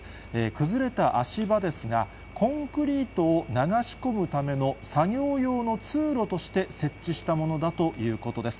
崩れた足場ですが、コンクリートを流し込むための作業用の通路として設置したものだということです。